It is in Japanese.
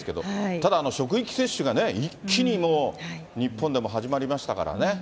ただ、職域接種が一気に日本でも始まりましたからね。